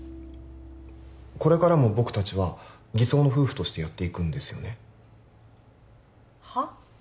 これからも僕達は偽装の夫婦としてやっていくんですよねはっ？